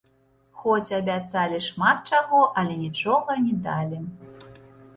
Хоць абяцалі шмат чаго, але нічога не далі.